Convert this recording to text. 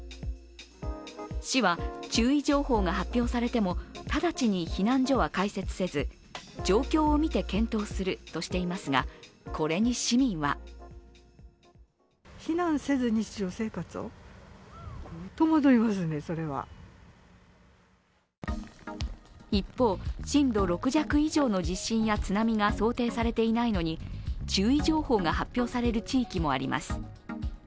市は注意情報が発表されても直ちに避難所は開設せず状況を見て検討するとしてますが、これに市民は一方、震度６弱以上の地震や津波が想定されていないのに注意情報が発表される地域もあります。